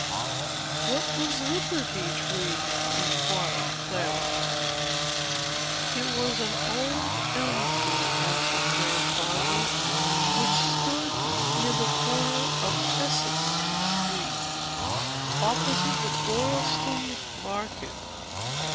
"What was Liberty Tree?" inquired Clara. "It was an old elm tree," answered Grandfather, "which stood near the corner of Essex street, opposite the Boylston market.